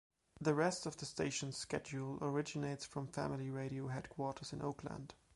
The rest of the station's schedule originates from Family Radio headquarters in Oakland.